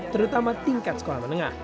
terutama tingkat sekolah menengah